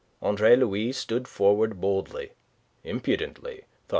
Andre Louis stood forward boldly impudently, thought M.